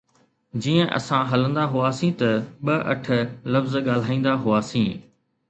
جيئن اسان هلندا هئاسين ته ٻه اٺ لفظ ڳالهائيندا هئاسين